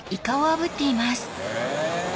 へぇ。